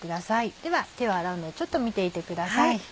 では手を洗うのでちょっと見ていてください。